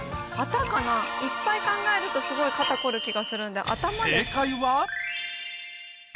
いっぱい考えるとすごい肩こる気がするんで。